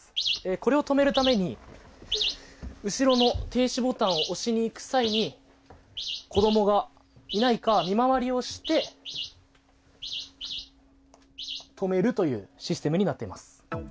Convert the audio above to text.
これを止めるために後ろの停止ボタンを押しにいく際に子供がいないか、見回りをして、止めるというシステムになっています。